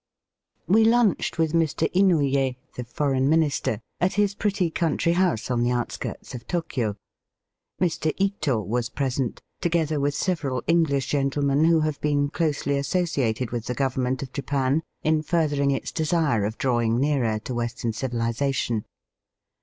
Wb Innclied with Mr. Inouy6, the Foreign Minister, at his pretty country house on the outskirts of Tokio. Mr. Ito was present, together with several English gentlemen who have been closely associated with the Govern ment of Japan in furthering its desire of drawing nearer to Western civihzation.